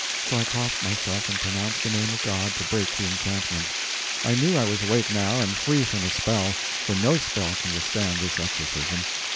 So I crossed myself and pronounced the name of God, to break the enchantment. I knew I was awake now and free from the spell, for no spell can withstand this exorcism.